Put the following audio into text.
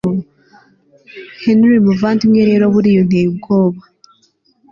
Henry muvandimwe rero buriya unteye ubwoba